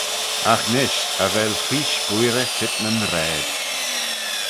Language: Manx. Agh nish cha vel wheesh boirey çheet nyn raad.